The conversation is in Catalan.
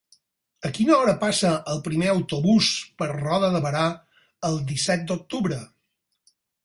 A quina hora passa el primer autobús per Roda de Berà el disset d'octubre?